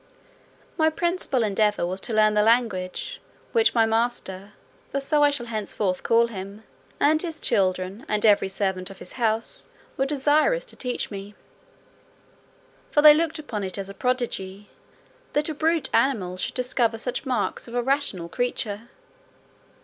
My principal endeavour was to learn the language, which my master (for so I shall henceforth call him), and his children, and every servant of his house, were desirous to teach me; for they looked upon it as a prodigy, that a brute animal should discover such marks of a rational creature.